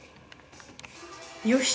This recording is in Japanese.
よし！